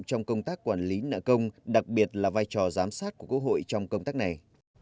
trong công tác quản lý nợ công đặc biệt là vai trò giám sát của quốc hội trong công tác này